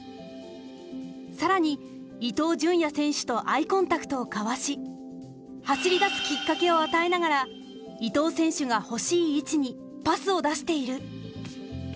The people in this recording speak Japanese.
更に伊東純也選手とアイコンタクトを交わし走り出すきっかけを与えながら伊東選手が欲しい位置にパスを出している。